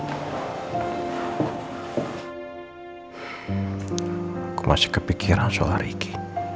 aku masih kepikiran soal ini